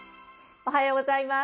おはようございます！